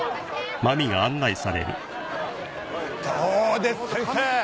どうです先生